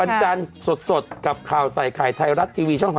วันจันทร์สดกับข่าวใส่ไข่ไทยรัฐทีวีช่อง๓